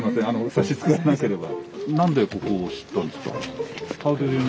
差し支えなければ。